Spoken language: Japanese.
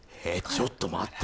ちょっと待って。